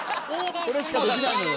これしかできないのよ。